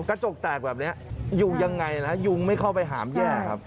กระจกแตกแบบนี้อยู่ยังไงนะยุงไม่เข้าไปหามแย่ครับ